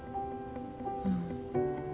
うん。